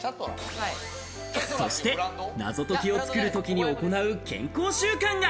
そして謎解きを作るときに行う健康習慣が。